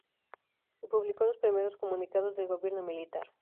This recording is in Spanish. Y publicó los primeros comunicados del gobierno militar.